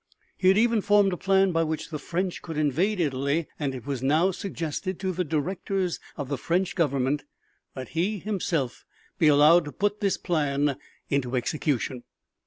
He had even formed a plan by which the French could invade Italy, and it was now suggested to the Directors of the French Government that he himself be allowed to put this plan into execution.